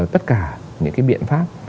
tất cả những cái biện pháp